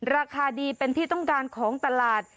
ราคาดีเป็นที่ต้องการของตลาด